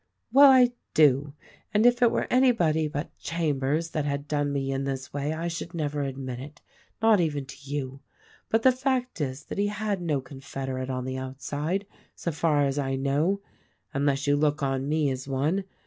"Well, I do; and if it were anybody but Chambers that had done me in this way I should never admit it — not even to you. But the fact is that he had no confederate on the outside, so far as I know — unless you look on me as one.